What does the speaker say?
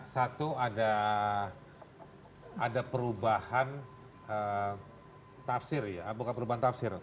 satu ada perubahan tafsir ya bukan perubahan tafsir